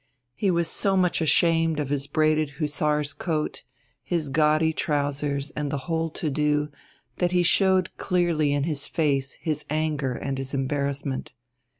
He was so much ashamed of his braided hussar's coat, his gaudy trousers, and the whole to do, that he showed clearly in his face his anger and his embarrassment.